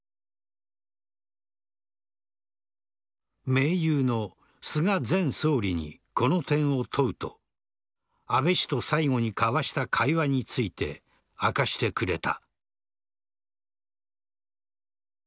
盟友の菅前総理にこの点を問うと安倍氏と最後に交わした会話について明かしてくれた。